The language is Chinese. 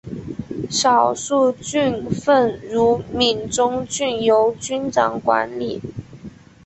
少数郡份如闽中郡由君长管理。